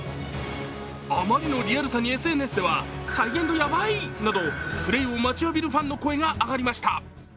あまりのリアルさにＳＮＳではプレーを待ちわびるファンの声が上がりました。